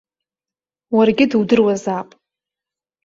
Уаргьы дудыруазаап.